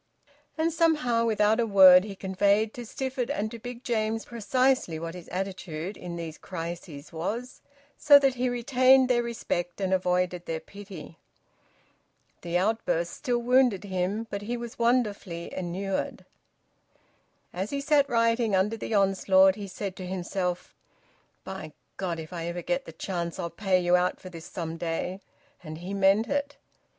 And somehow without a word he conveyed to Stifford and to Big James precisely what his attitude in these crises was, so that he retained their respect and avoided their pity. The outbursts still wounded him, but he was wonderfully inured. As he sat writing under the onslaught, he said to himself, "By God! If ever I get the chance, I'll pay you out for this some day!" And he meant it.